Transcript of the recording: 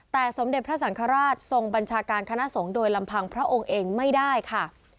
แต่สมเด็จพระสังฆราชทรงบัญชาการคณะสงฆ์โดยลำพังพระองค์เองไม่ได้ค่ะ